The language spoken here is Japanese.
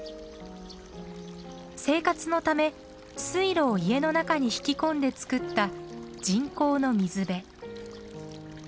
生活のため水路を家の中に引き込んで作った人工の水辺。